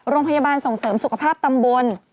โรงพยาบาลส่งเสริมสุขภาพตำบล